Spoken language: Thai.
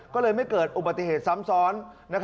ก็เลยไม่เกิดอุบัติเหตุซ้ำซ้อน